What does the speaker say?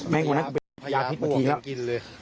แม่งวันนั้นเป็นพระยาพิพย์มาทิ้งแล้ว